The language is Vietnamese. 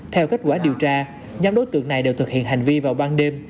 theo kết quả điều tra nhóm đối tượng này đều thực hiện hành vi vào ban đêm